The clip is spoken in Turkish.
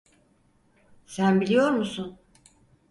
Sen biliyor musun?